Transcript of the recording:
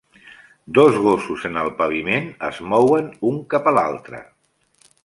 Dos gossos en el paviment es mouen un cap a l'altre.